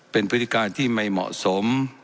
เป็นพฤติการที่ไม่เหมาะสม